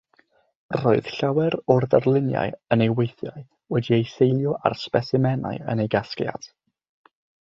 Roedd llawer o'r darluniau yn ei weithiau wedi'u seilio ar sbesimenau yn ei gasgliad.